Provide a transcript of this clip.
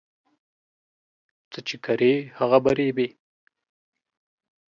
څه چې کرې، هغه به ريبې